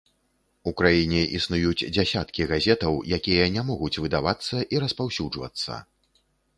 У краіне існуюць дзесяткі газетаў, якія не могуць выдавацца і распаўсюджвацца.